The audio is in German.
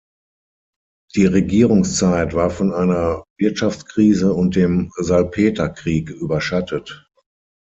Die Regierungszeit war von einer Wirtschaftskrise und dem Salpeterkrieg überschattet.